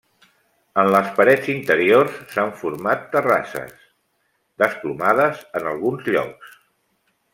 En les parets interiors s'han format terrasses, desplomades en alguns llocs.